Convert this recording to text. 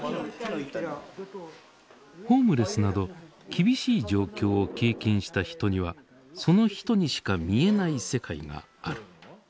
ホームレスなど厳しい状況を経験した人にはその人にしか見えない世界がある。